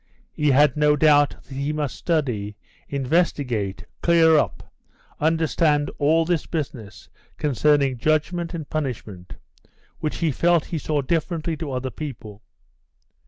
He had no doubt that he must study, investigate, clear up, understand all this business concerning judgment and punishment, which he felt he saw differently to other people.